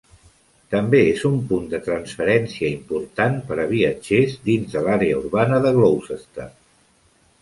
També és un punt de transferència important per a viatgers dins de l'àrea urbana de Gloucester.